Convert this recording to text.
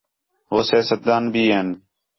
ہو سیاست دان بھی ہین